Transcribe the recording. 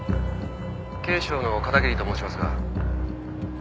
警視庁の片桐と申しますが。